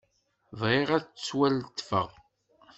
Bɣiɣ ad ttwaletfeɣ.